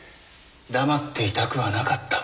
黙っていたくはなかった。